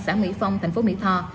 xã mỹ phong tp mỹ tho